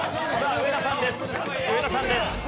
上田さんです。